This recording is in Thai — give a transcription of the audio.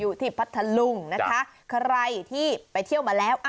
พัทธลุงนะคะใครที่ไปเที่ยวมาแล้ว